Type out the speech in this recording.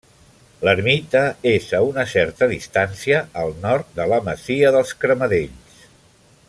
L'ermita és a una certa distància al nord de la masia dels Cremadells.